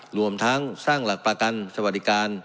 รวมทั้งสร้างหลักประกันสวัสดิการ